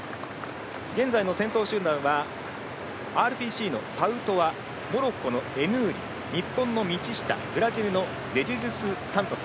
現在の先頭集団はＲＰＣのパウトワモロッコのエヌーリ日本の道下ブラジルのデジェズスサントス